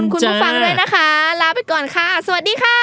คุณผู้ฟังด้วยนะคะลาไปก่อนค่ะสวัสดีค่ะ